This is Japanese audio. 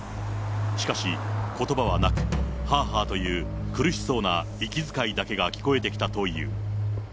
しかし、ことばはなく、はあはあという、苦しそうな息遣いだけが聞こえてきたという。